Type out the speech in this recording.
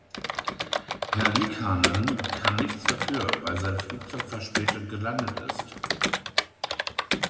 Herr Liikanen kann nichts dafür, weil sein Flugzeug verspätet gelandet ist.